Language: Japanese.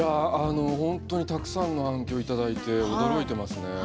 本当にたくさんの反響をいただいて驚いてますね。